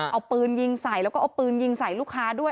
เอาปืนยิงใส่แล้วก็เอาปืนยิงใส่ลูกค้าด้วย